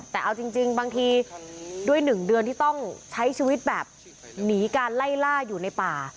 แต่เอาจริงบางทีด้วย๑เดือนที่ต้องใช้ชีวิตแบบหนีการไล่ล่าอยู่ในป่า